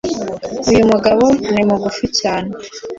Uyu mugabo ni Mugufi cyane